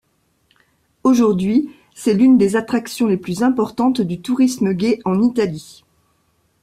Aujourd'hui, c'est l'une des attractions les plus importantes du tourisme gay en Italie.